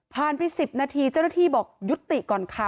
ไป๑๐นาทีเจ้าหน้าที่บอกยุติก่อนค่ะ